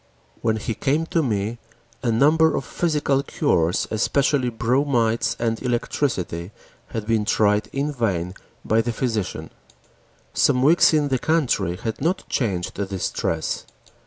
When he came to me, a number of physical cures, especially bromides and electricity, had been tried in vain by the physician. Some weeks in the country had not changed the distress.